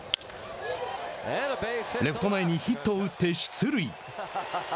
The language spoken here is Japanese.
レフト前にヒットを打って出塁。